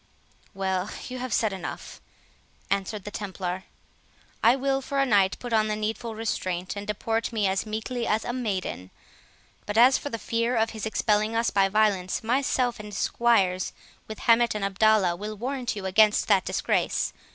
"Well, you have said enough," answered the Templar; "I will for a night put on the needful restraint, and deport me as meekly as a maiden; but as for the fear of his expelling us by violence, myself and squires, with Hamet and Abdalla, will warrant you against that disgrace.